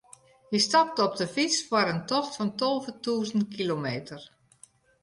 Hy stapte op de fyts foar in tocht fan tolve tûzen kilometer.